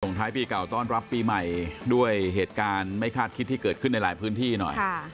ท้ายปีเก่าต้อนรับปีใหม่ด้วยเหตุการณ์ไม่คาดคิดที่เกิดขึ้นในหลายพื้นที่หน่อย